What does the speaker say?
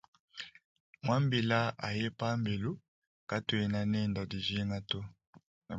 Muambila aye pambelu katuena nende dijinga to.